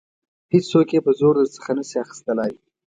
هیڅوک یې په زور درڅخه نشي اخیستلای.